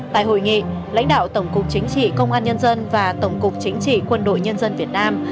tại hội nghị lãnh đạo tổng cục chính trị công an nhân dân và tổng cục chính trị quân đội nhân dân việt nam